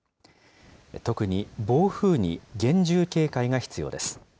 特に暴風に厳重警戒が必要です。